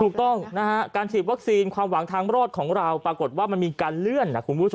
ถูกต้องการฉีดวัคซีนความหวังทางรอดของเราปรากฏว่ามันมีการเลื่อน